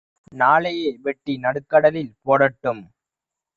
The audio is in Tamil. நாளையே வெட்டி நடுக்கடலில் போடட்டும்